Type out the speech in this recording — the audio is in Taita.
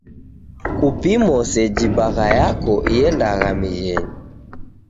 Kupimo seji bagha yako iendagha mighenyi.